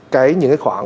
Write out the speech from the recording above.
cái những cái khoản